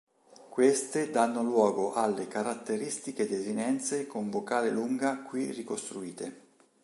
Queste danno luogo alle caratteristiche desinenze con vocale lunga qui ricostruite.